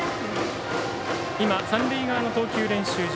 三塁側の投球練習場